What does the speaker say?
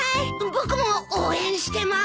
僕も応援してます！